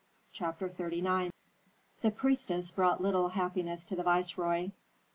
CHAPTER XXXIX The priestess brought little happiness to the viceroy.